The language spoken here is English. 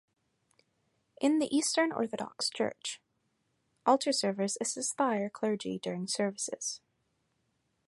In the Eastern Orthodox Church, altar servers assist the higher clergy during services.